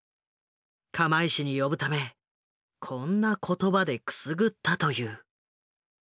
釜石に呼ぶためこんな言葉でくすぐったという。